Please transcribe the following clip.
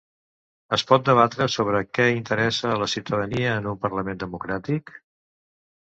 Es pot debatre sobre què interessa a la ciutadania en un parlament democràtic?